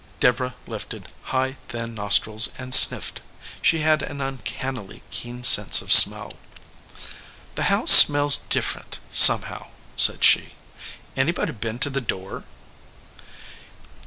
Deborah lifted high, thin nostrils and sniffed. She had an uncannily keen sense of smell. "The house smells different, somehow," said she. "Any body been to the door?"